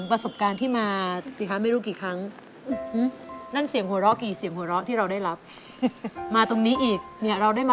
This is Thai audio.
คุกหัวแต่มีเย็นอย่าร้องอย่าลองเห็นอะไรนะ